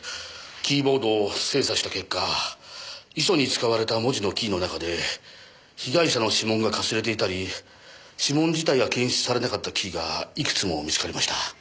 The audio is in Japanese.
キーボードを精査した結果遺書に使われた文字のキーの中で被害者の指紋がかすれていたり指紋自体が検出されなかったキーがいくつも見つかりました。